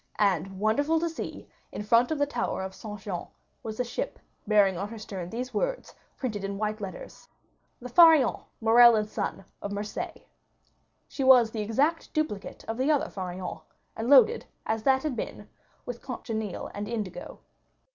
And, wonderful to see, in front of the tower of Saint Jean, was a ship bearing on her stern these words, printed in white letters, "The Pharaon, Morrel & Son, of Marseilles." She was the exact duplicate of the other Pharaon, and loaded, as that had been, with cochineal and indigo.